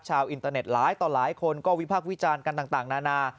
อินเตอร์เน็ตหลายต่อหลายคนก็วิพากษ์วิจารณ์กันต่างนานา